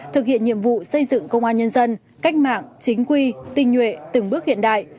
thực hiện nhiệm vụ xây dựng công an nhân dân cách mạng chính quy tinh nhuệ từng bước hiện đại